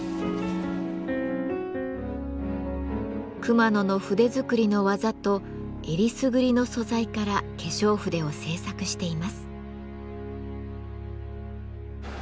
熊野の筆作りの技とえりすぐりの素材から化粧筆を製作しています。